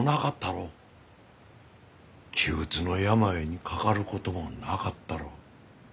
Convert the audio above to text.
気鬱の病にかかることもなかったろう。